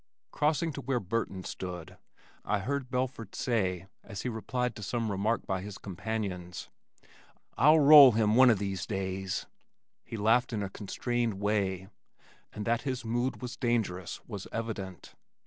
Crossing to where Burton stood, I heard Belford say as he replied to some remark by his companions, "I'll roll him one o' these days." He laughed in a constrained way, and that his mood was dangerous was evident.